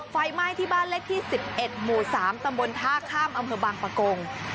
ไฟไหม้ที่บ้านเลขที่๑๑หมู่๓ตำบลท่าข้ามอำเภอบางปะกง